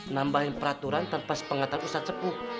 nambahin peraturan tanpa sepengetaan ustadz sepuh